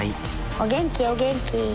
お元気お元気。